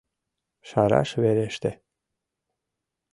Шараш вереште...